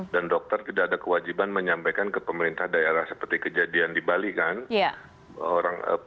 dan dokter tidak ada kewajiban menyampaikan ke pemerintah daerah seperti kejadian di bali kan